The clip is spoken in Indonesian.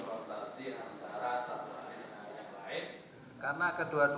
kita tidak akan ada konfrontasi